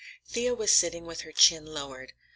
Thea was sitting with her chin lowered.